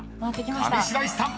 ［上白石さん］